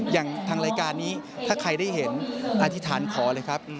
อย่างทางรายการนี้ถ้าใครได้เห็นอธิษฐานขอเลยครับ